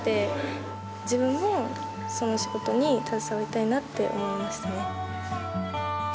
自分もその仕事に携わりたいなって思いましたね。